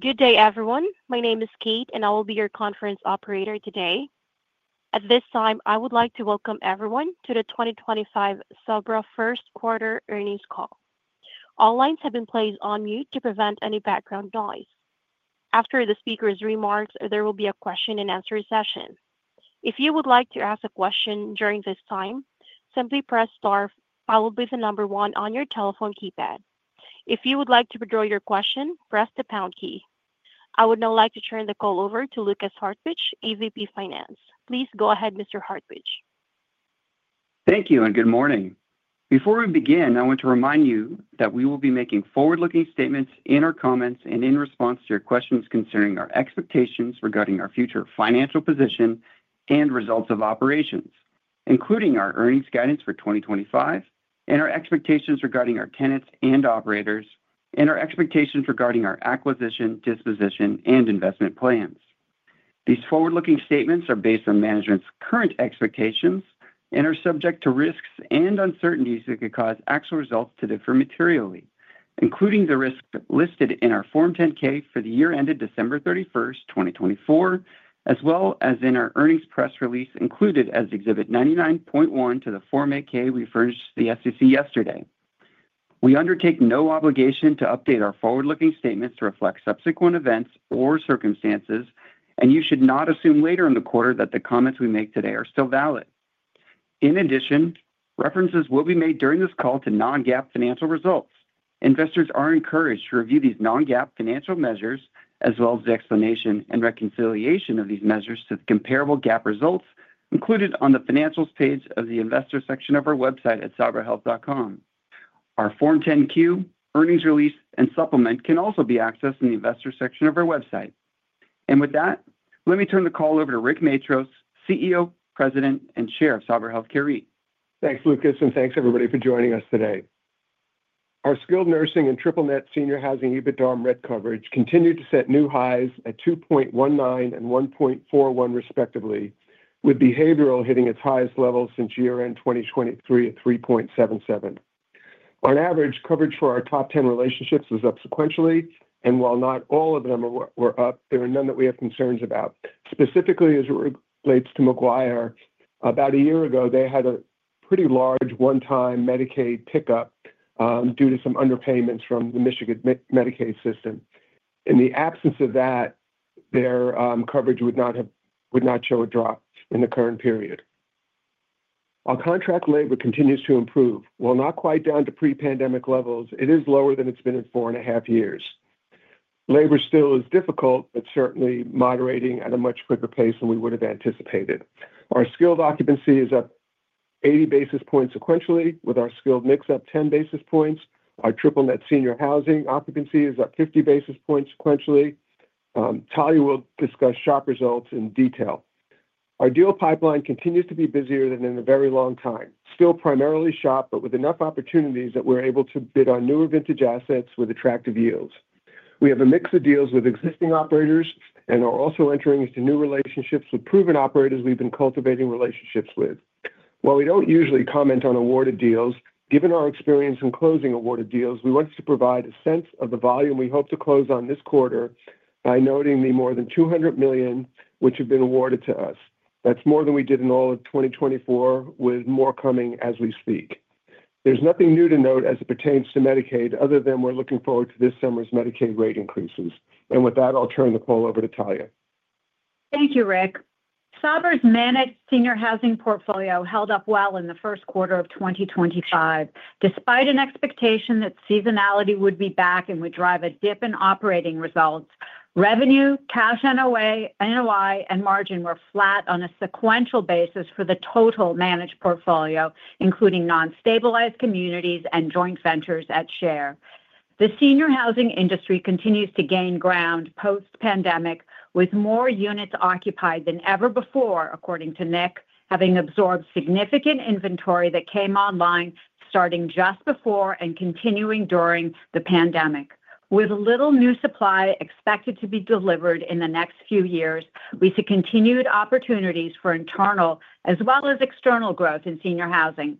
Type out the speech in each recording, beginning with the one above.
Good day, everyone. My name is Kate, and I will be your conference operator today. At this time, I would like to welcome everyone to the 2025 Sabra First Quarter Earnings Call. All lines have been placed on mute to prevent any background noise. After the speaker's remarks, there will be a question-and-answer session. If you would like to ask a question during this time, simply press star and the number one on your telephone keypad. If you would like to withdraw your question, press the pound key. I would now like to turn the call over to Lukas Hartwich, AVP Finance. Please go ahead, Mr. Hartwich. Thank you, and good morning. Before we begin, I want to remind you that we will be making forward-looking statements in our comments and in response to your questions concerning our expectations regarding our future financial position and results of operations, including our earnings guidance for 2025, and our expectations regarding our tenants and operators, and our expectations regarding our acquisition, disposition, and investment plans. These forward-looking statements are based on management's current expectations and are subject to risks and uncertainties that could cause actual results to differ materially, including the risks listed in our Form 10-K for the year ended December 31st, 2024, as well as in our earnings press release included as Exhibit 99.1 to the Form 8-K we furnished to the SEC yesterday. We undertake no obligation to update our forward-looking statements to reflect subsequent events or circumstances, and you should not assume later in the quarter that the comments we make today are still valid. In addition, references will be made during this call to non-GAAP financial results. Investors are encouraged to review these non-GAAP financial measures, as well as the explanation and reconciliation of these measures to comparable GAAP results included on the financials page of the investor section of our website at sabrahealth.com. Our Form 10-Q, Earnings Release, and Supplement can also be accessed in the investor section of our website. With that, let me turn the call over to Rick Matros, CEO, President, and Chair of Sabra Health Care REIT. Thanks, Lukas, and thanks, everybody, for joining us today. Our skilled nursing and TripleNet senior housing EBITDA on REIT coverage continued to set new highs at 2.19 and 1.41, respectively, with behavioral hitting its highest level since year-end 2023 at 3.77. On average, coverage for our top 10 relationships is up sequentially, and while not all of them were up, there are none that we have concerns about. Specifically, as it relates to McGuire, about a year ago, they had a pretty large one-time Medicaid pickup due to some underpayments from the Michigan Medicaid system. In the absence of that, their coverage would not have—would not show a drop in the current period. Our contract labor continues to improve. While not quite down to pre-pandemic levels, it is lower than it's been in four and a half years. Labor still is difficult, but certainly moderating at a much quicker pace than we would have anticipated. Our skilled occupancy is up 80 basis points sequentially, with our skilled mix up 10 basis points. Our TripleNet senior housing occupancy is up 50 basis points sequentially. Talya will discuss SHOP results in detail. Our deal pipeline continues to be busier than in a very long time, still primarily SHOP, but with enough opportunities that we're able to bid on newer vintage assets with attractive yields. We have a mix of deals with existing operators and are also entering into new relationships with proven operators we've been cultivating relationships with. While we do not usually comment on awarded deals, given our experience in closing awarded deals, we wanted to provide a sense of the volume we hope to close on this quarter by noting the more than $200 million which have been awarded to us. That is more than we did in all of 2024, with more coming as we speak. There is nothing new to note as it pertains to Medicaid other than we are looking forward to this summer's Medicaid rate increases. With that, I will turn the call over to Talya. Thank you, Rick. Sabra's managed senior housing portfolio held up well in the first quarter of 2025. Despite an expectation that seasonality would be back and would drive a dip in operating results, revenue, cash NOI, and margin were flat on a sequential basis for the total managed portfolio, including non-stabilized communities and joint ventures at share. The senior housing industry continues to gain ground post-pandemic, with more units occupied than ever before, according to Nick, having absorbed significant inventory that came online starting just before and continuing during the pandemic. With little new supply expected to be delivered in the next few years, we see continued opportunities for internal as well as external growth in senior housing.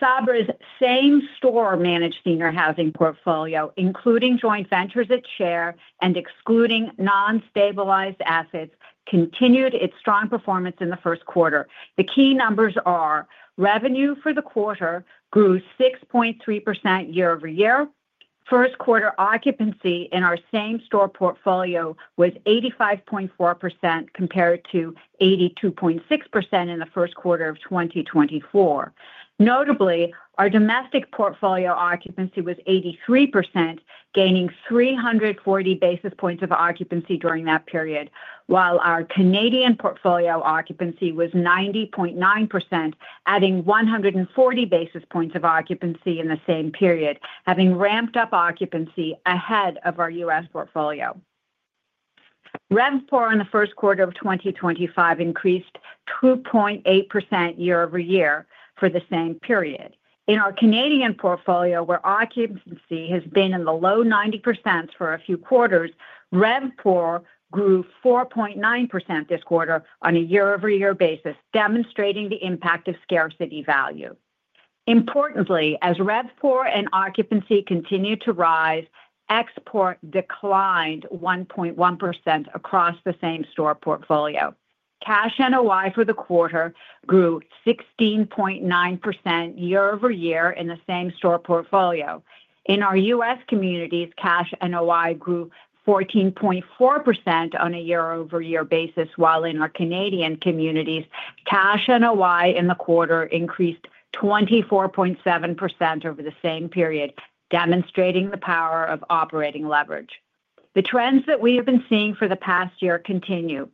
Sabra's same-store managed senior housing portfolio, including joint ventures at share and excluding non-stabilized assets, continued its strong performance in the first quarter. The key numbers are: revenue for the quarter grew 6.3% year-over-year, first-quarter occupancy in our same-store portfolio was 85.4% compared to 82.6% in the first quarter of 2024. Notably, our domestic portfolio occupancy was 83%, gaining 340 basis points of occupancy during that period, while our Canadian portfolio occupancy was 90.9%, adding 140 basis points of occupancy in the same period, having ramped up occupancy ahead of our U.S. portfolio. RevPOR in the first quarter of 2025 increased 2.8% year-over-year for the same period. In our Canadian portfolio, where occupancy has been in the low 90% for a few quarters, RevPOR grew 4.9% this quarter on a year-over-year basis, demonstrating the impact of scarcity value. Importantly, as RevPOR and occupancy continued to rise, export declined 1.1% across the same-store portfolio. Cash NOI for the quarter grew 16.9% year-over-year in the same-store portfolio. In our U.S. Communities, cash NOI grew 14.4% on a year-over-year basis, while in our Canadian communities, cash NOI in the quarter increased 24.7% over the same period, demonstrating the power of operating leverage. The trends that we have been seeing for the past year continue.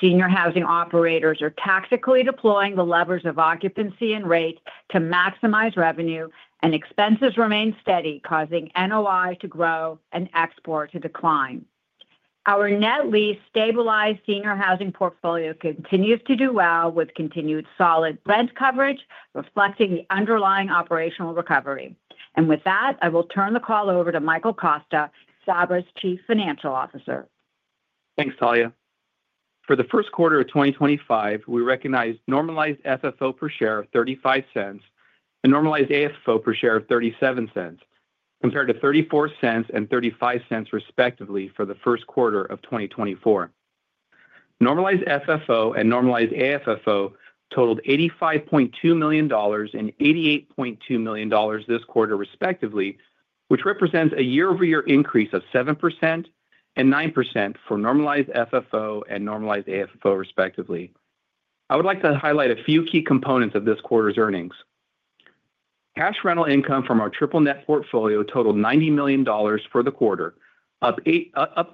Senior housing operators are tactically deploying the levers of occupancy and rate to maximize revenue, and expenses remain steady, causing NOI to grow and expense to decline. Our net-lease stabilized senior housing portfolio continues to do well with continued solid rent coverage, reflecting the underlying operational recovery. With that, I will turn the call over to Michael Costa, Sabra's Chief Financial Officer. Thanks, Talya. For the first quarter of 2025, we recognized normalized FFO per share of $0.35 and normalized AFFO per share of $0.37, compared to $0.34 and $0.35, respectively, for the first quarter of 2024. Normalized FFO and normalized AFFO totaled $85.2 million and $88.2 million this quarter, respectively, which represents a year-over-year increase of 7% and 9% for normalized FFO and normalized AFFO, respectively. I would like to highlight a few key components of this quarter's earnings. Cash rental income from our TripleNet portfolio totaled $90 million for the quarter, up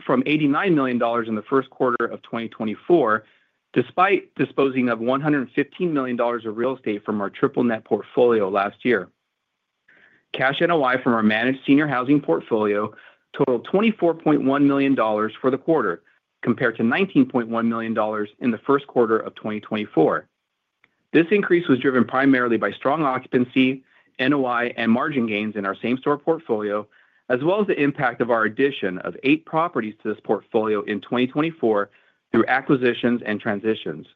from $89 million in the first quarter of 2024, despite disposing of $115 million of real estate from our TripleNet portfolio last year. Cash NOI from our managed senior housing portfolio totaled $24.1 million for the quarter, compared to $19.1 million in the first quarter of 2024. This increase was driven primarily by strong occupancy, NOI, and margin gains in our same-store portfolio, as well as the impact of our addition of eight properties to this portfolio in 2024 through acquisitions and transitions.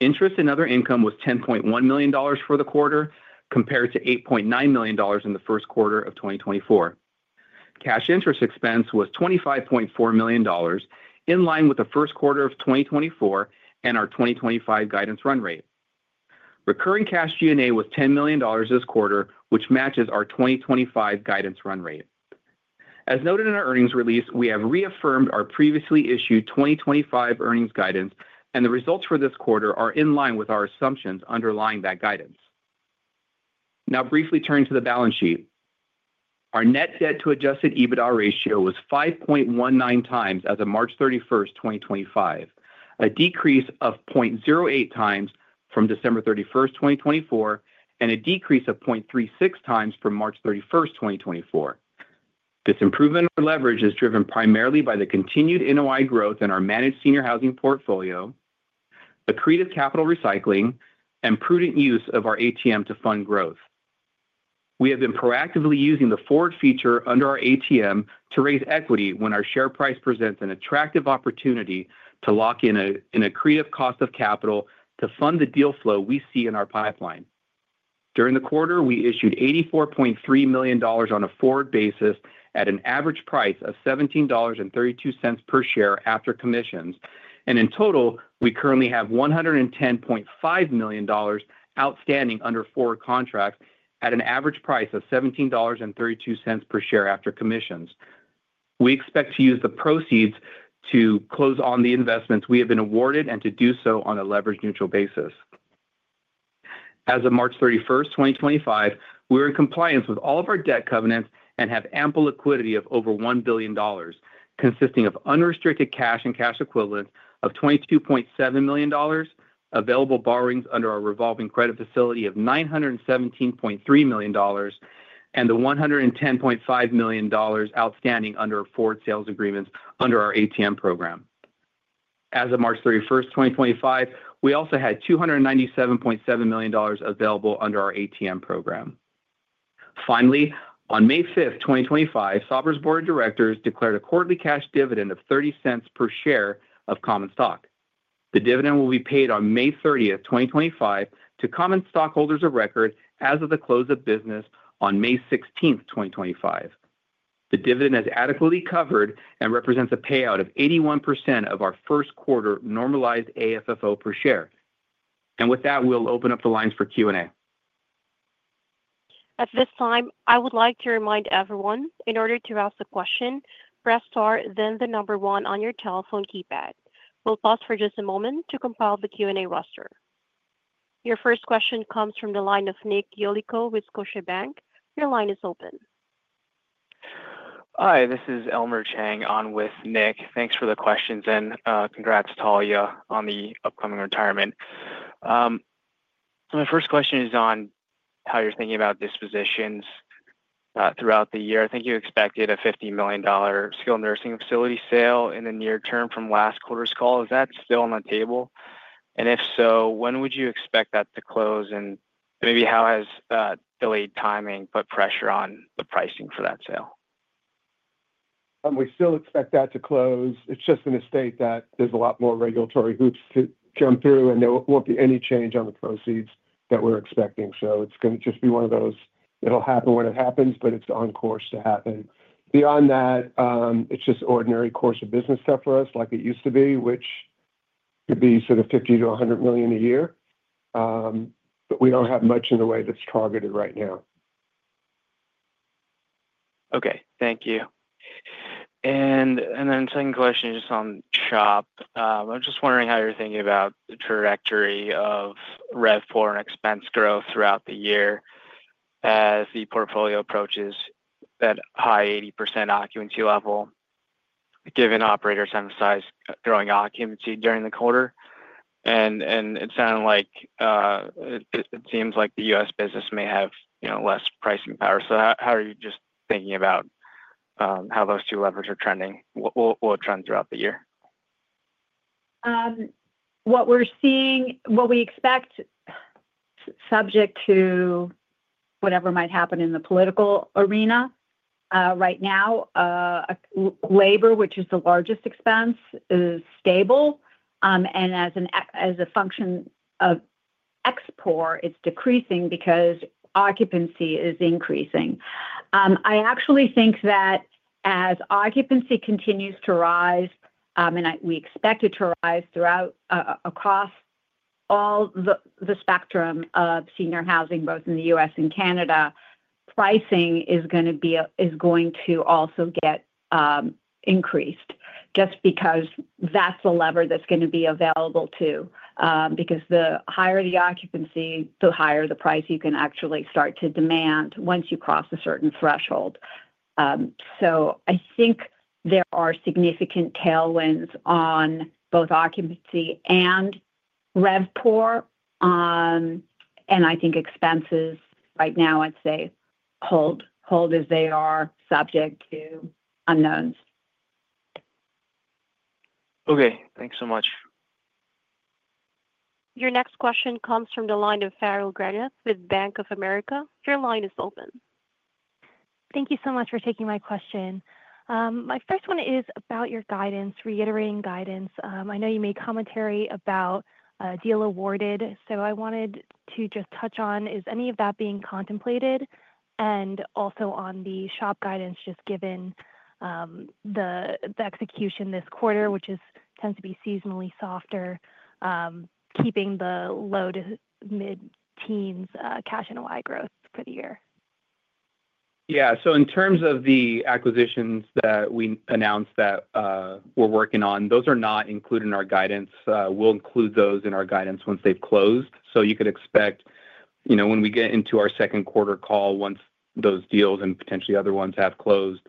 Interest and other income was $10.1 million for the quarter, compared to $8.9 million in the first quarter of 2024. Cash interest expense was $25.4 million, in line with the first quarter of 2024 and our 2025 guidance run rate. Recurring cash G&A was $10 million this quarter, which matches our 2025 guidance run rate. As noted in our earnings release, we have reaffirmed our previously issued 2025 earnings guidance, and the results for this quarter are in line with our assumptions underlying that guidance. Now, briefly turning to the balance sheet, our net debt-to-adjusted EBITDA ratio was 5.19 times as of March 31st, 2025, a decrease of 0.08 times from December 31st, 2024, and a decrease of 0.36 times from March 31st, 2024. This improvement in leverage is driven primarily by the continued NOI growth in our managed senior housing portfolio, Accretive Capital Recycling, and prudent use of our ATM to fund growth. We have been proactively using the forward feature under our ATM to raise equity when our share price presents an attractive opportunity to lock in an accretive cost of capital to fund the deal flow we see in our pipeline. During the quarter, we issued $84.3 million on a forward basis at an average price of $17.32 per share after commissions. In total, we currently have $110.5 million outstanding under forward contracts at an average price of $17.32 per share after commissions. We expect to use the proceeds to close on the investments we have been awarded and to do so on a leverage neutral basis. As of March 31st, 2025, we are in compliance with all of our debt covenants and have ample liquidity of over $1 billion, consisting of unrestricted cash and cash equivalents of $22.7 million, available borrowings under our revolving credit facility of $917.3 million, and the $110.5 million outstanding under our forward sales agreements under our ATM program. As of March 31st, 2025, we also had $297.7 million available under our ATM program. Finally, on May 5th, 2025, Sabra's board of directors declared a quarterly cash dividend of $0.30 per share of common stock. The dividend will be paid on May 30th, 2025, to common stockholders of record as of the close of business on May 16th, 2025. The dividend is adequately covered and represents a payout of 81% of our first quarter normalized AFFO per share. With that, we'll open up the lines for Q&A. At this time, I would like to remind everyone, in order to ask the question, press star, then the number one on your telephone keypad. We'll pause for just a moment to compile the Q&A roster. Your first question comes from the line of Nick Yulico with Scotiabank. Your line is open. Hi, this is Elmer Chang on with Nick. Thanks for the question, and congrats, Talya, on the upcoming retirement. My first question is on how you're thinking about dispositions throughout the year. I think you expected a $50 million skilled nursing facility sale in the near term from last quarter's call. Is that still on the table? If so, when would you expect that to close? Maybe how has delayed timing put pressure on the pricing for that sale? We still expect that to close. It's just an estate that there's a lot more regulatory hoops to jump through, and there won't be any change on the proceeds that we're expecting. It's going to just be one of those. It'll happen when it happens, but it's on course to happen. Beyond that, it's just ordinary course of business stuff for us, like it used to be, which could be sort of $50-$100 million a year. We don't have much in the way that's targeted right now. Okay. Thank you. Second question is just on SHOP. I'm just wondering how you're thinking about the trajectory of RevPOR and expense growth throughout the year as the portfolio approaches that high 80% occupancy level, given operators emphasize growing occupancy during the quarter. It sounds like it seems like the U.S. business may have less pricing power. How are you just thinking about how those two levers are trending? What will trend throughout the year? What we're seeing, what we expect, subject to whatever might happen in the political arena, right now, labor, which is the largest expense, is stable. As a function of export, it's decreasing because occupancy is increasing. I actually think that as occupancy continues to rise, and we expect it to rise throughout across all the spectrum of senior housing, both in the U.S. and Canada, pricing is going to also get increased just because that's the lever that's going to be available too. The higher the occupancy, the higher the price you can actually start to demand once you cross a certain threshold. I think there are significant tailwinds on both occupancy and RevPOR. I think expenses right now, I'd say, hold as they are, subject to unknowns. Okay. Thanks so much. Your next question comes from the line of Farrell Granath with Bank of America. Your line is open. Thank you so much for taking my question. My first one is about your guidance, reiterating guidance. I know you made commentary about a deal awarded, so I wanted to just touch on, is any of that being contemplated? Also on the SHOP guidance just given the execution this quarter, which tends to be seasonally softer, keeping the low to mid-teens cash NOI growth for the year. Yeah. In terms of the acquisitions that we announced that we're working on, those are not included in our guidance. We'll include those in our guidance once they've closed. You could expect when we get into our second quarter call, once those deals and potentially other ones have closed,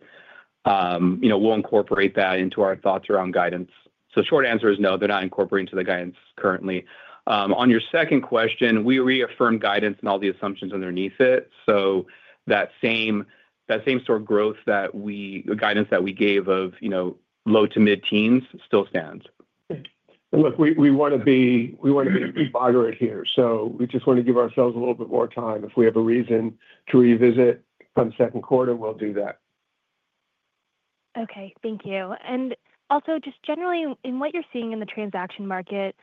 we'll incorporate that into our thoughts around guidance. Short answer is no, they're not incorporated into the guidance currently. On your second question, we reaffirm guidance and all the assumptions underneath it. That same-store growth that we, the guidance that we gave of low to mid-teens, still stands. Look, we want to be moderate here. We just want to give ourselves a little bit more time. If we have a reason to revisit from second quarter, we'll do that. Thank you. Also, just generally, in what you're seeing in the transaction market,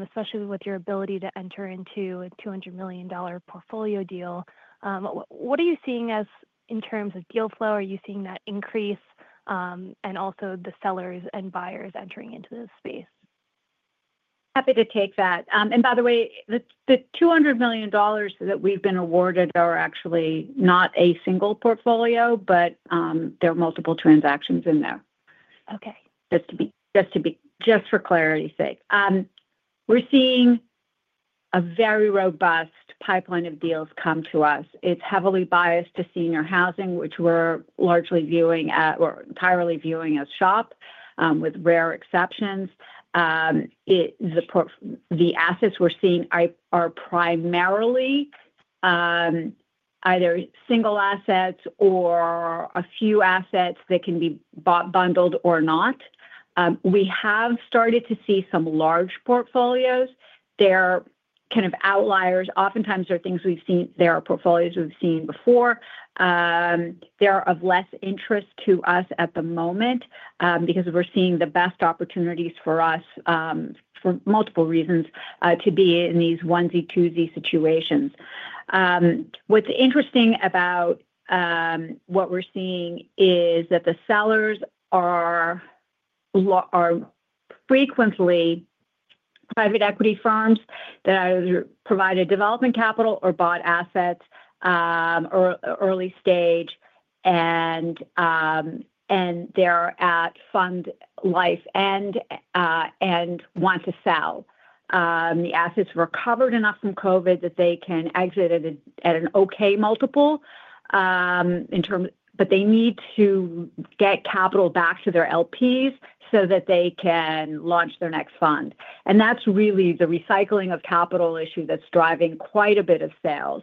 especially with your ability to enter into a $200 million portfolio deal, what are you seeing as in terms of deal flow? Are you seeing that increase and also the sellers and buyers entering into this space? Happy to take that. By the way, the $200 million that we've been awarded are actually not a single portfolio, but there are multiple transactions in there. Okay. Just to be just for clarity's sake, we're seeing a very robust pipeline of deals come to us. It's heavily biased to senior housing, which we're largely viewing at or entirely viewing as SHOP, with rare exceptions. The assets we're seeing are primarily either single assets or a few assets that can be bought bundled or not. We have started to see some large portfolios. They're kind of outliers. Oftentimes, there are things we've seen. There are portfolios we've seen before. They're of less interest to us at the moment because we're seeing the best opportunities for us for multiple reasons to be in these onesie-twosie situations. What's interesting about what we're seeing is that the sellers are frequently private equity firms that either provided development capital or bought assets or early stage, and they're at fund life and want to sell. The assets were covered enough from COVID that they can exit at an okay multiple in terms but they need to get capital back to their LPs so that they can launch their next fund. That is really the recycling of capital issue that is driving quite a bit of sales.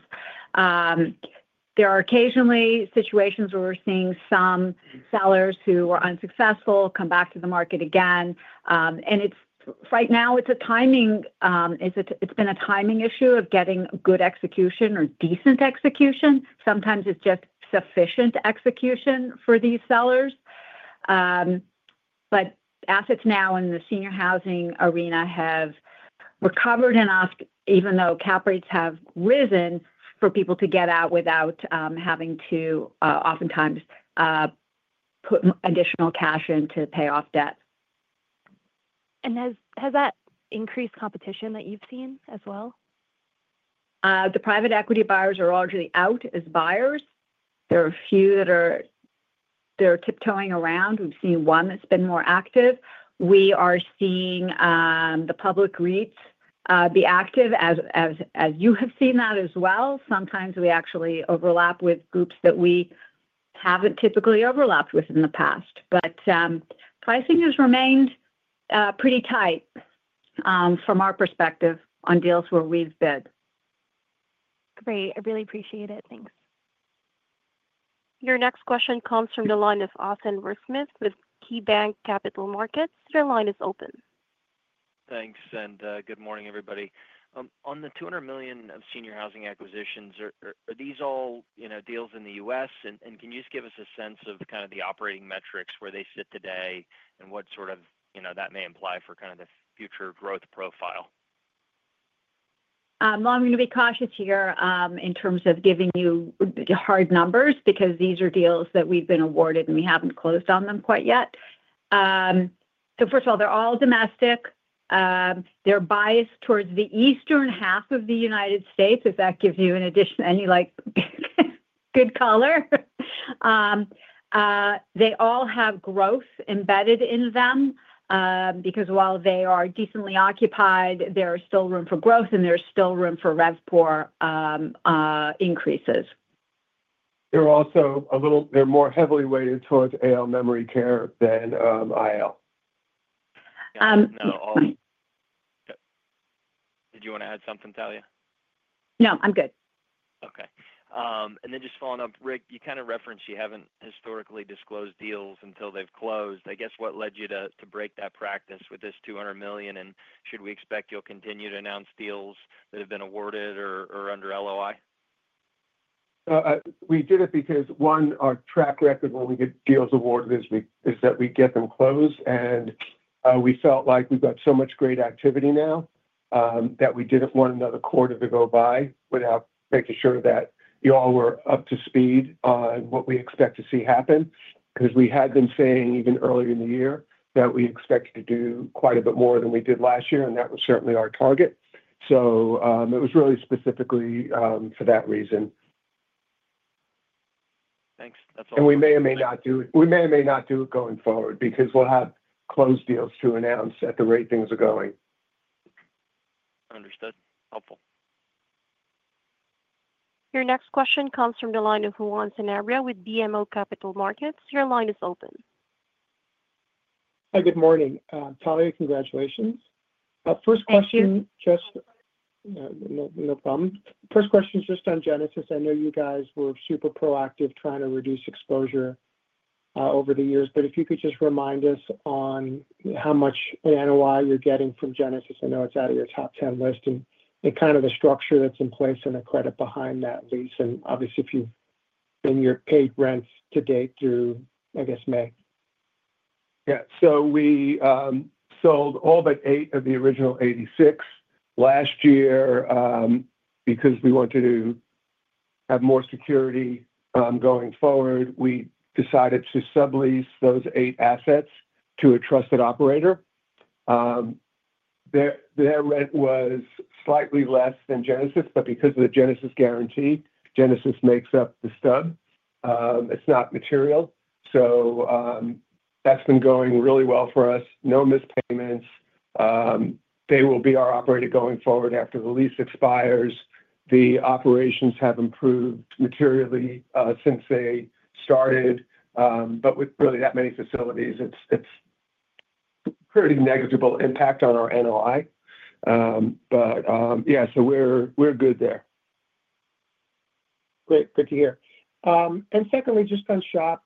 There are occasionally situations where we are seeing some sellers who are unsuccessful come back to the market again. Right now, it is a timing issue of getting good execution or decent execution. Sometimes it is just sufficient execution for these sellers. Assets now in the senior housing arena have recovered enough, even though cap rates have risen, for people to get out without having to oftentimes put additional cash in to pay-off debt. Has that increased competition that you've seen as well? The private equity buyers are largely out as buyers. There are a few that are tiptoeing around. We've seen one that's been more active. We are seeing the public REITs be active, as you have seen that as well. Sometimes we actually overlap with groups that we haven't typically overlapped with in the past. Pricing has remained pretty tight from our perspective on deals where we've bid. Great. I really appreciate it. Thanks. Your next question comes from the line of Austin Wurschmidt with KeyBanc Capital Markets. Your line is open. Thanks. Good morning, everybody. On the $200 million of senior housing acquisitions, are these all deals in the U.S.? Can you just give us a sense of kind of the operating metrics where they sit today and what sort of that may imply for kind of the future growth profile? I'm going to be cautious here in terms of giving you hard numbers because these are deals that we've been awarded, and we haven't closed on them quite yet. First of all, they're all domestic. They're biased towards the eastern half of the United States, if that gives you any additional good color. They all have growth embedded in them because while they are decently occupied, there is still room for growth, and there's still room for RevPOR increases. They're also a little more heavily weighted towards AL memory care than IL. Did you want to add something, Talya? No, I'm good. Okay. And then just following up, Rick, you kind of referenced you haven't historically disclosed deals until they've closed. I guess what led you to break that practice with this $200 million? Should we expect you'll continue to announce deals that have been awarded or under LOI? We did it because, one, our track record when we get deals awarded is that we get them closed. We felt like we've got so much great activity now that we didn't want another quarter to go by without making sure that you all were up to speed on what we expect to see happen because we had been saying even earlier in the year that we expected to do quite a bit more than we did last year, and that was certainly our target. It was really specifically for that reason. Thanks. That's all. We may or may not do it, we may or may not do it going forward because we'll have closed deals to announce at the rate things are going. Understood. Helpful. Your next question comes from the line of Juan Sanabria with BMO Capital Markets. Your line is open. Hi, good morning. Talya, congratulations. First question, just no problem. First question is just on Genesis. I know you guys were super proactive trying to reduce exposure over the years, but if you could just remind us on how much in NOI you're getting from Genesis. I know it's out of your top 10 list, and kind of the structure that's in place and the credit behind that lease, and obviously if you've been your paid rents to date through, I guess, May. Yeah. We sold all but eight of the original 86 last year because we wanted to have more security going forward. We decided to sublease those eight assets to a trusted operator. Their rent was slightly less than Genesis, but because of the Genesis guarantee, Genesis makes up the stub. It's not material. That's been going really well for us. No missed payments. They will be our operator going forward after the lease expires. The operations have improved materially since they started. With really that many facilities, it's pretty negligible impact on our NOI. Yeah, we're good there. Great. Good to hear. Secondly, just on SHOP,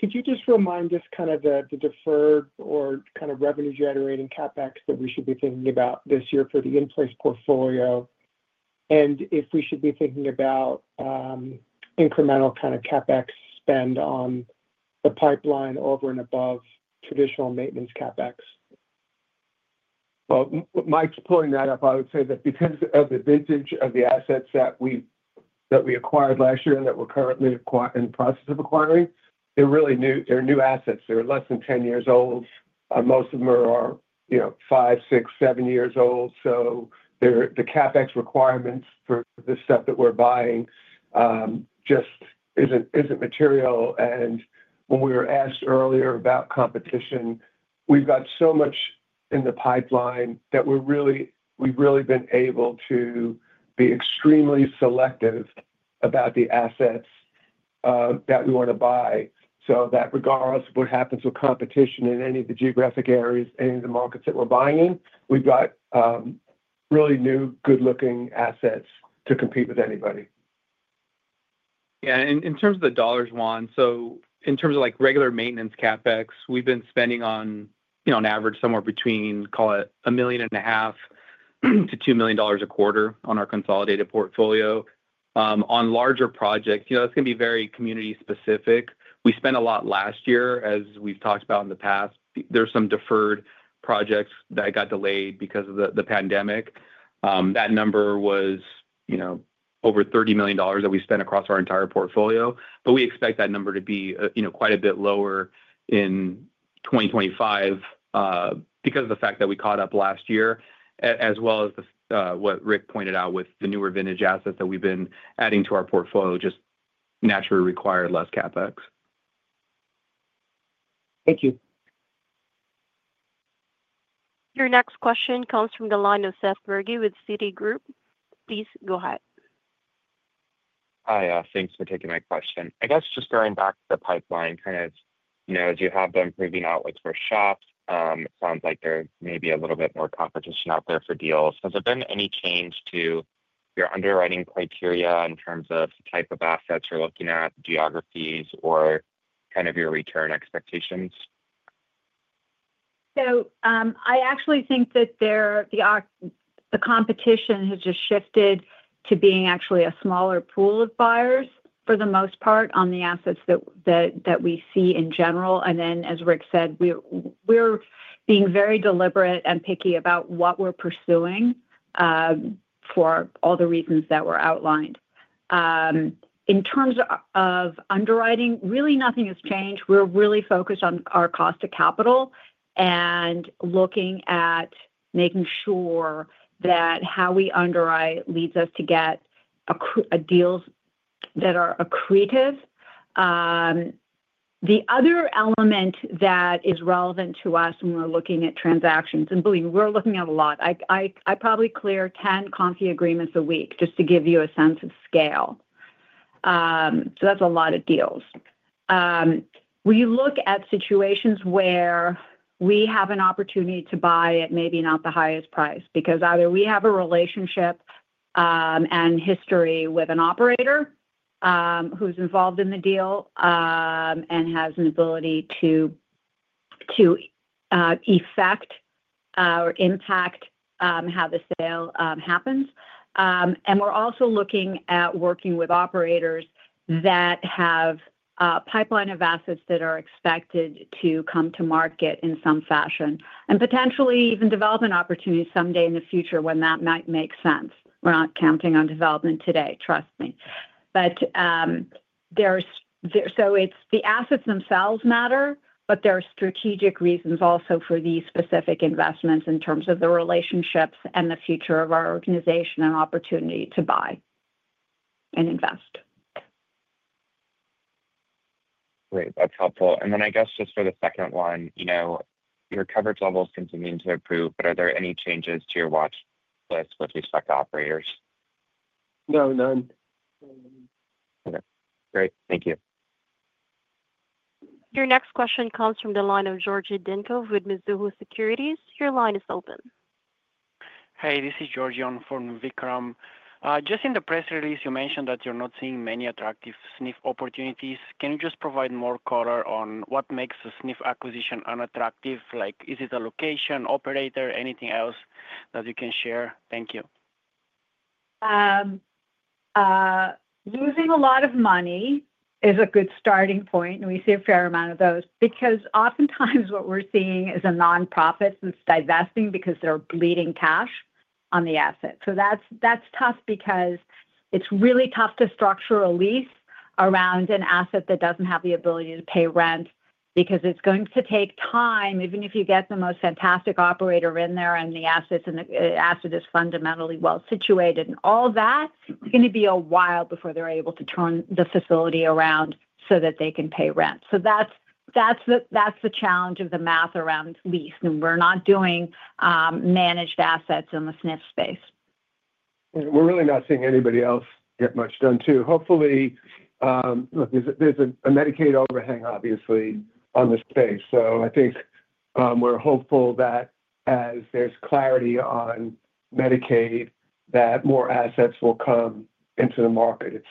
could you just remind us kind of the deferred or kind of revenue-generating CapEx that we should be thinking about this year for the in-place portfolio? If we should be thinking about incremental kind of CapEx spend on the pipeline over and above traditional maintenance CapEx? Mike's pulling that up. I would say that because of the vintage of the assets that we acquired last year and that we're currently in the process of acquiring, they're really new. They're new assets. They're less than 10 years old. Most of them are five, six, seven years old. The CapEx requirements for the stuff that we're buying just isn't material. When we were asked earlier about competition, we've got so much in the pipeline that we've really been able to be extremely selective about the assets that we want to buy. That regardless of what happens with competition in any of the geographic areas, any of the markets that we're buying in, we've got really new, good-looking assets to compete with anybody. Yeah. In terms of the dollars, Juan, in terms of regular maintenance CapEx, we've been spending on average somewhere between, call it, $1.5 million-$2 million a quarter on our consolidated portfolio. On larger projects, that's going to be very community-specific. We spent a lot last year, as we've talked about in the past. There are some deferred projects that got delayed because of the pandemic. That number was over $30 million that we spent across our entire portfolio. We expect that number to be quite a bit lower in 2025 because of the fact that we caught up last year, as well as what Rick pointed out with the newer vintage assets that we've been adding to our portfolio just naturally required less CapEx. Thank you. Your next question comes from the line of Seth Bergey with Citigroup. Please go ahead. Hi. Thanks for taking my question. I guess just going back to the pipeline, kind of as you have been proving out for SHOP, it sounds like there may be a little bit more competition out there for deals. Has there been any change to your underwriting criteria in terms of the type of assets you're looking at, geographies, or kind of your return expectations? I actually think that the competition has just shifted to being actually a smaller pool of buyers for the most part on the assets that we see in general. As Rick said, we're being very deliberate and picky about what we're pursuing for all the reasons that were outlined. In terms of underwriting, really nothing has changed. We're really focused on our cost of capital and looking at making sure that how we underwrite leads us to get deals that are accretive. The other element that is relevant to us when we're looking at transactions and believe we're looking at a lot. I probably clear 10 concrete agreements a week just to give you a sense of scale. That's a lot of deals. We look at situations where we have an opportunity to buy at maybe not the highest price because either we have a relationship and history with an operator who's involved in the deal and has an ability to effect or impact how the sale happens. We are also looking at working with operators that have a pipeline of assets that are expected to come to market in some fashion and potentially even develop an opportunity someday in the future when that might make sense. We are not counting on development today, trust me. The assets themselves matter, but there are strategic reasons also for these specific investments in terms of the relationships and the future of our organization and opportunity to buy and invest. Great. That's helpful. I guess just for the second one, your coverage levels continue to improve, but are there any changes to your watch list with respect to operators? No, none. Okay. Great. Thank you. Your next question comes from the line of Georgia Denko with Mizuho Securities. Your line is open. Hi, this is Georgia from Vikram. Just in the press release, you mentioned that you're not seeing many attractive SNF opportunities. Can you just provide more color on what makes a SNF acquisition unattractive? Is it a location, operator, anything else that you can share? Thank you. Losing a lot of money is a good starting point, and we see a fair amount of those because oftentimes what we're seeing is a nonprofit that's divesting because they're bleeding cash on the asset. That's tough because it's really tough to structure a lease around an asset that doesn't have the ability to pay rent because it's going to take time. Even if you get the most fantastic operator in there and the asset is fundamentally well situated and all that, it's going to be a while before they're able to turn the facility around so that they can pay rent. That's the challenge of the math around lease. We're not doing managed assets in the SNF space. We're really not seeing anybody else get much done too. Hopefully, there's a Medicaid overhang, obviously, on this page. I think we're hopeful that as there's clarity on Medicaid, that more assets will come into the market.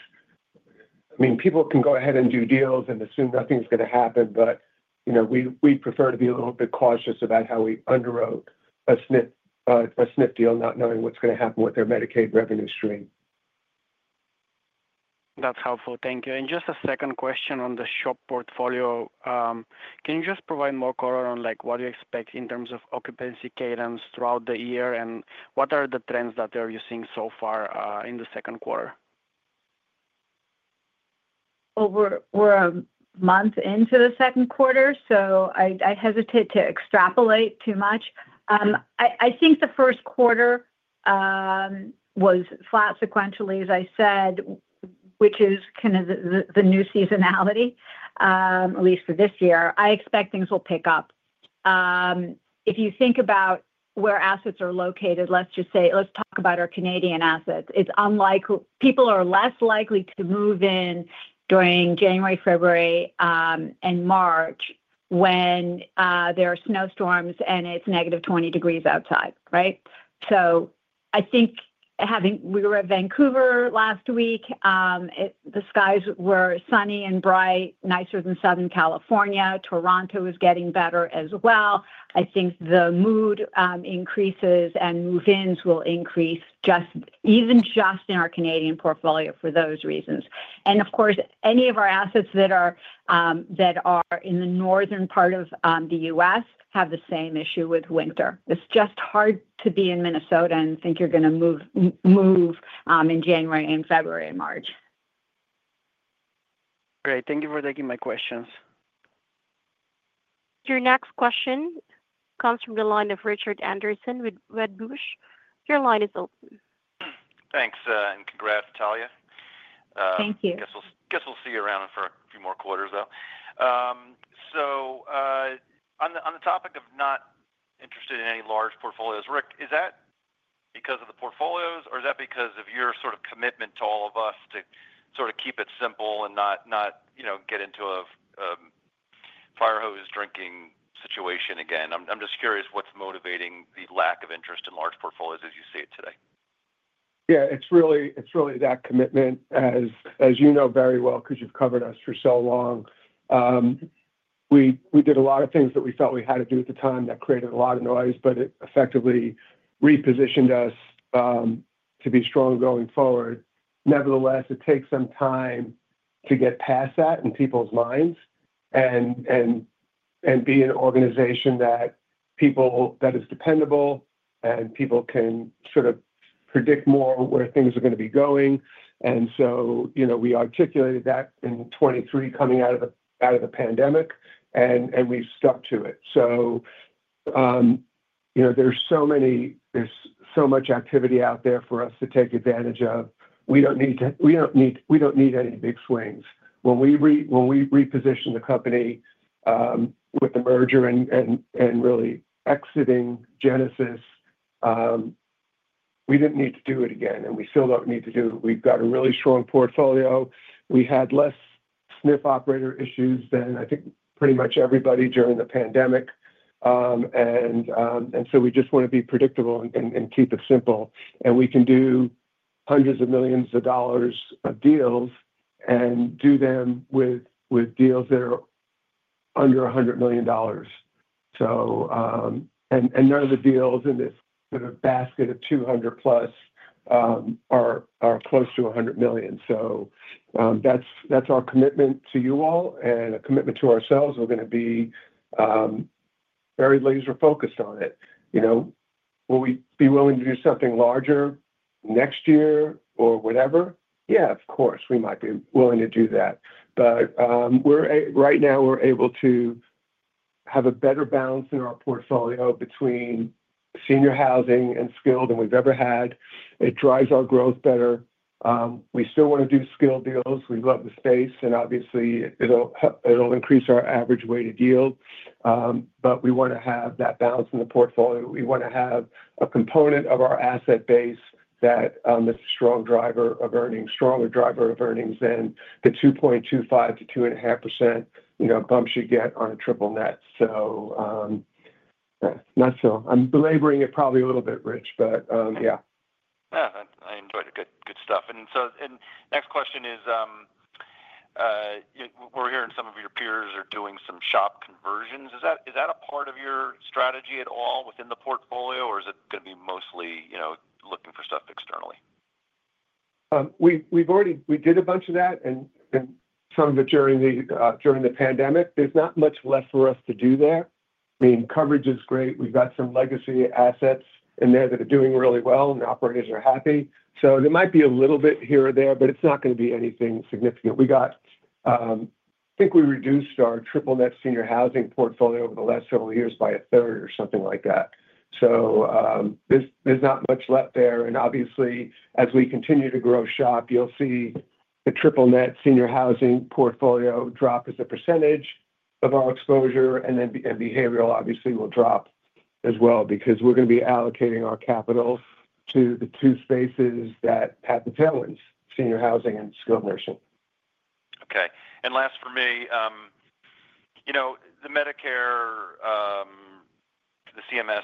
I mean, people can go ahead and do deals and assume nothing's going to happen, but we prefer to be a little bit cautious about how we underwrote a SNF deal, not knowing what's going to happen with their Medicaid revenue stream. That's helpful. Thank you. Just a second question on the SHOP portfolio. Can you just provide more color on what do you expect in terms of occupancy cadence throughout the year and what are the trends that they're using so far in the second quarter? We're a month into the second quarter, so I hesitate to extrapolate too much. I think the first quarter was flat sequentially, as I said, which is kind of the new seasonality, at least for this year. I expect things will pick up. If you think about where assets are located, let's just say let's talk about our Canadian assets. People are less likely to move in during January, February, and March when there are snowstorms and it's negative 20 degrees outside, right? I think we were at Vancouver last week. The skies were sunny and bright, nicer than Southern California. Toronto is getting better as well. I think the mood increases and move-ins will increase even just in our Canadian portfolio for those reasons. Of course, any of our assets that are in the northern part of the U.S. have the same issue with winter. It's just hard to be in Minnesota and think you're going to move in January and February and March. Great. Thank you for taking my questions. Your next question comes from the line of Richard Anderson with Wedbush. Your line is open. Thanks. And congrats, Talya. Thank you. Guess we'll see you around for a few more quarters, though. On the topic of not interested in any large portfolios, Rick, is that because of the portfolios, or is that because of your sort of commitment to all of us to sort of keep it simple and not get into a fire hose drinking situation again? I'm just curious what's motivating the lack of interest in large portfolios as you see it today. Yeah. It's really that commitment, as you know very well because you've covered us for so long. We did a lot of things that we felt we had to do at the time that created a lot of noise, but it effectively repositioned us to be strong going forward. Nevertheless, it takes some time to get past that in people's minds and be an organization that is dependable and people can sort of predict more where things are going to be going. We articulated that in 2023 coming out of the pandemic, and we stuck to it. There is so much activity out there for us to take advantage of. We don't need any big swings. When we repositioned the company with the merger and really exiting Genesis, we didn't need to do it again, and we still don't need to do it. We've got a really strong portfolio. We had less SNF operator issues than, I think, pretty much everybody during the pandemic. We just want to be predictable and keep it simple. We can do hundreds of millions of dollars of deals and do them with deals that are under $100 million. None of the deals in this sort of basket of 200-plus are close to $100 million. That is our commitment to you all and a commitment to ourselves. We're going to be very laser-focused on it. Will we be willing to do something larger next year or whatever? Yeah, of course, we might be willing to do that. Right now, we're able to have a better balance in our portfolio between senior housing and skilled than we've ever had. It drives our growth better. We still want to do skilled deals. We love the space, and obviously, it'll increase our average weighted yield. We want to have that balance in the portfolio. We want to have a component of our asset base that is a strong driver of earnings, stronger driver of earnings than the 2.25-2.5% bump she'd get on a triple net. Not sure. I'm belaboring it probably a little bit, Rich, but. Yeah. Yeah. I enjoyed the good stuff. Next question is, we're hearing some of your peers are doing some SHOP conversions. Is that a part of your strategy at all within the portfolio, or is it going to be mostly looking for stuff externally? We did a bunch of that and some during the pandemic. There's not much left for us to do there. I mean, coverage is great. We've got some legacy assets in there that are doing really well, and the operators are happy. There might be a little bit here or there, but it's not going to be anything significant. I think we reduced our triple-net senior housing portfolio over the last several years by a third or something like that. There's not much left there. Obviously, as we continue to grow SHOP, you'll see the triple-net senior housing portfolio drop as a percentage of our exposure. Behavioral, obviously, will drop as well because we're going to be allocating our capital to the two spaces that have the talents: senior housing and skilled nursing. Okay. Last for me, the Medicare, the CMS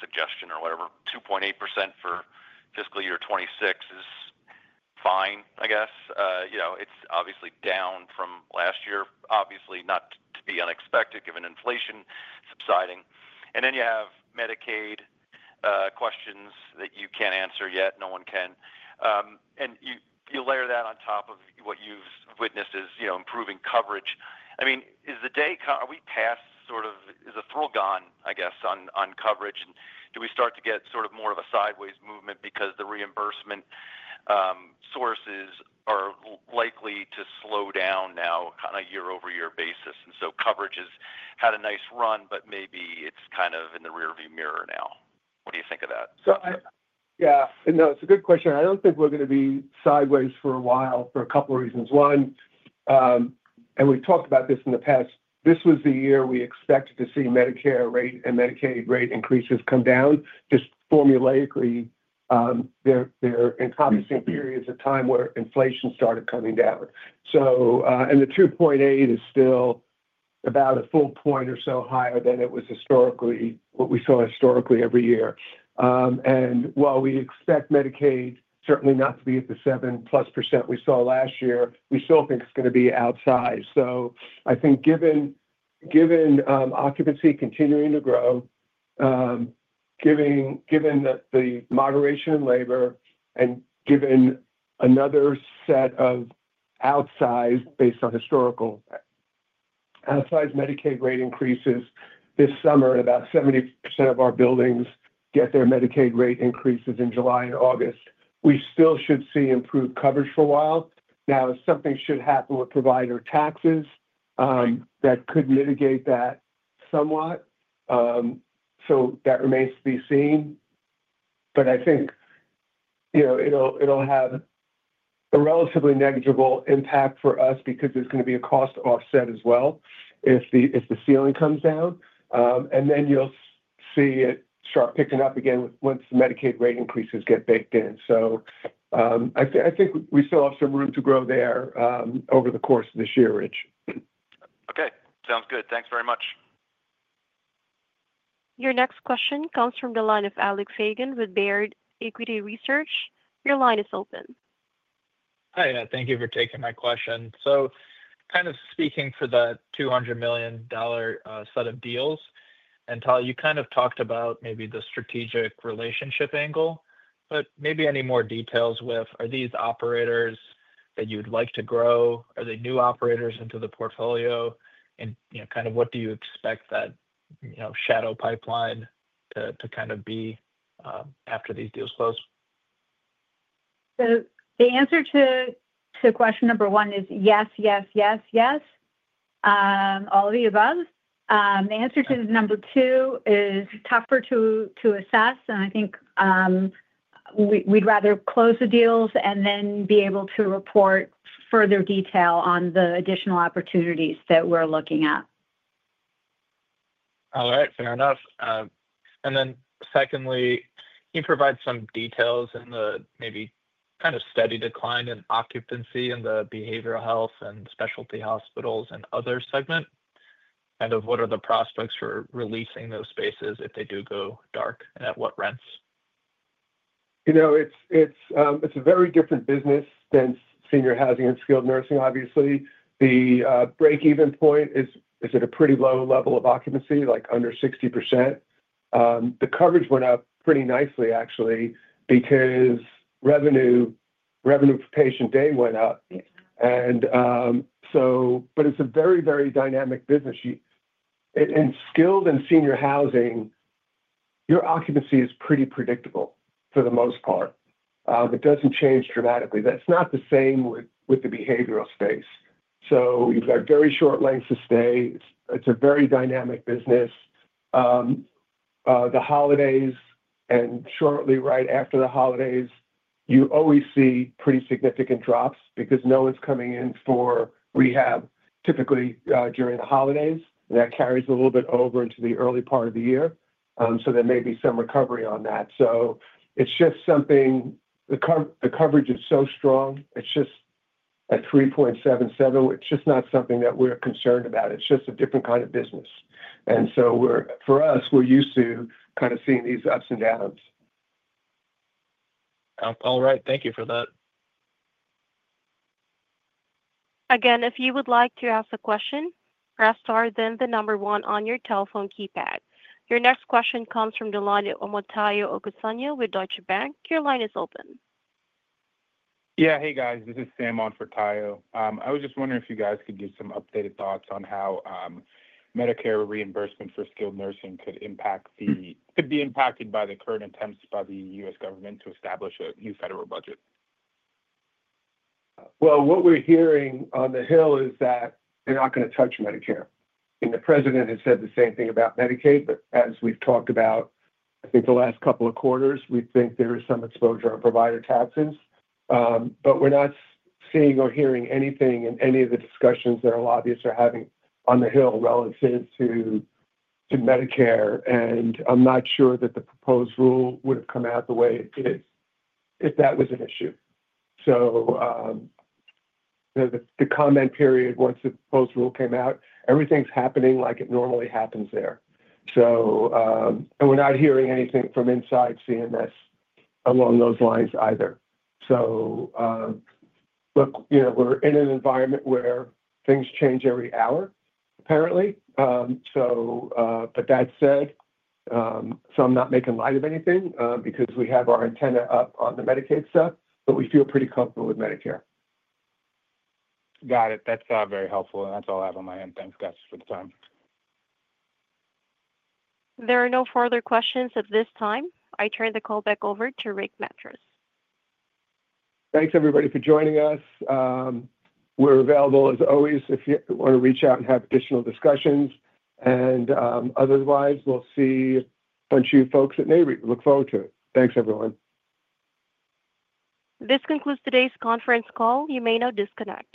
suggestion or whatever, 2.8% for fiscal year 2026 is fine, I guess. It's obviously down from last year, obviously, not to be unexpected given inflation subsiding. You have Medicaid questions that you can't answer yet. No one can. You layer that on top of what you've witnessed as improving coverage. I mean, is the day, are we past, sort of, is the thrill gone, I guess, on coverage? Do we start to get sort of more of a sideways movement because the reimbursement sources are likely to slow down now on a year-over-year basis? Coverage has had a nice run, but maybe it's kind of in the rearview mirror now. What do you think of that? Yeah. No, it's a good question. I don't think we're going to be sideways for a while for a couple of reasons. One, and we've talked about this in the past, this was the year we expected to see Medicare rate and Medicaid rate increases come down. Just formulaically, they're encompassing periods of time where inflation started coming down. The 2.8% is still about a full point or so higher than it was historically, what we saw historically every year. While we expect Medicaid certainly not to be at the 7%+ we saw last year, we still think it's going to be outsized. I think given occupancy continuing to grow, given the moderation in labor, and given another set of outsized, based on historical, outsized Medicaid rate increases this summer and about 70% of our buildings get their Medicaid rate increases in July and August, we still should see improved coverage for a while. If something should happen with provider taxes, that could mitigate that somewhat. That remains to be seen. I think it will have a relatively negligible impact for us because there is going to be a cost offset as well if the ceiling comes down. You will see it start picking up again once the Medicaid rate increases get baked in. I think we still have some room to grow there over the course of this year, Rich. Okay. Sounds good. Thanks very much. Your next question comes from the line of Alex Hegen with Baird Equity Research. Your line is open. Hi, thank you for taking my question. Kind of speaking for the $200 million set of deals, and Talya, you kind of talked about maybe the strategic relationship angle, but maybe any more details with are these operators that you'd like to grow? Are they new operators into the portfolio? What do you expect that shadow pipeline to kind of be after these deals close? The answer to question number one is yes, yes, yes, yes, all of the above. The answer to number two is tougher to assess. I think we'd rather close the deals and then be able to report further detail on the additional opportunities that we're looking at. All right. Fair enough. Secondly, can you provide some details in the maybe kind of steady decline in occupancy in the behavioral health and specialty hospitals and other segment? Kind of what are the prospects for releasing those spaces if they do go dark and at what rents? It's a very different business than senior housing and skilled nursing, obviously. The break-even point is at a pretty low level of occupancy, like under 60%. The coverage went up pretty nicely, actually, because revenue for patient day went up. But it's a very, very dynamic business. In skilled and senior housing, your occupancy is pretty predictable for the most part. It doesn't change dramatically. That's not the same with the behavioral space. You have very short lengths of stay. It's a very dynamic business. The holidays and shortly right after the holidays, you always see pretty significant drops because no one's coming in for rehab typically during the holidays. That carries a little bit over into the early part of the year. There may be some recovery on that. It's just something the coverage is so strong. It's just at 3.77. It's just not something that we're concerned about. It's just a different kind of business. For us, we're used to kind of seeing these ups and downs. All right. Thank you for that. Again, if you would like to ask a question, press star then the number one on your telephone keypad. Your next question comes from Omotayo Okusanya with Deutsche Bank. Your line is open. Yeah. Hey, guys. This is Omotayo. I was just wondering if you guys could give some updated thoughts on how Medicare reimbursement for skilled nursing could be impacted by the current attempts by the U.S. government to establish a new federal budget? What we're hearing on the Hill is that they're not going to touch Medicare. The president has said the same thing about Medicaid. As we've talked about, I think the last couple of quarters, we think there is some exposure on provider taxes. We're not seeing or hearing anything in any of the discussions that our lobbyists are having on the Hill relative to Medicare. I'm not sure that the proposed rule would have come out the way it did if that was an issue. The comment period once the proposed rule came out, everything's happening like it normally happens there. We're not hearing anything from inside CMS along those lines either. We're in an environment where things change every hour, apparently. That said, I'm not making light of anything because we have our antenna up on the Medicaid stuff, but we feel pretty comfortable with Medicare. Got it. That's very helpful. That's all I have on my end. Thanks, guys, for the time. There are no further questions at this time. I turn the call back over to Rick Matros. Thanks, everybody, for joining us. We're available as always if you want to reach out and have additional discussions. Otherwise, we'll see a bunch of you folks at NAREIT. We look forward to it. Thanks, everyone. This concludes today's conference call. You may now disconnect.